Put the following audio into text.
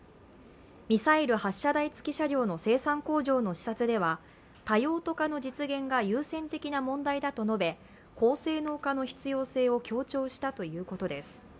ミサイル発射台付車両の生産工場の視察では多用途化の実現が優先的な問題だと述べ高性能化の必要性を強調したということです。